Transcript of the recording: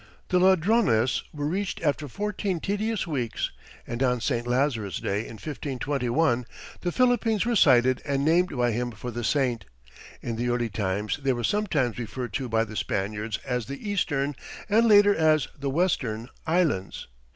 The Ladrones were reached after fourteen tedious weeks, and on St. Lazarus' day, in 1521, the Philippines were sighted and named by him for the saint. In the early times they were sometimes referred to by the Spaniards as the Eastern, and later as the Western, Islands.